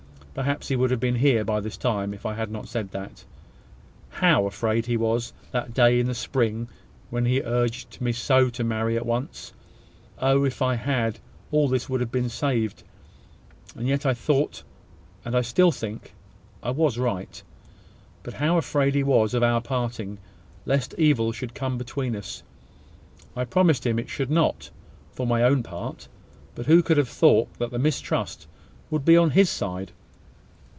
Perhaps he would have been here by this time if I had not said that. How afraid he was, that day in the spring when he urged me so to marry at once (Oh! if I had, all this would have been saved! and yet I thought, and I still think, I was right.) But how afraid he was of our parting, lest evil should come between us! I promised him it should not, for my own part: but who could have thought that the mistrust would be on his side?